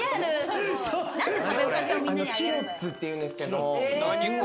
チュロッツっていうんですけれども。